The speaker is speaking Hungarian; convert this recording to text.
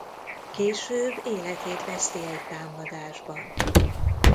Később életét veszti egy támadásban.